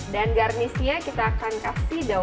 dan garnisnya kita akan kasih daun lemak